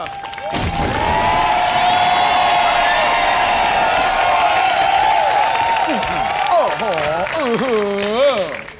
โอ้โหอูหู